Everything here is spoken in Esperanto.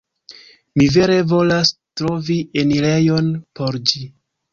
Mi vere volas trovi enirejon por ĝi